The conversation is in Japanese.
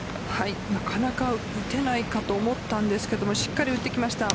なかなか打てないかと思ったんですがしっかり打ってきました。